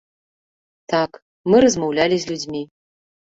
Так, мы размаўлялі з людзьмі.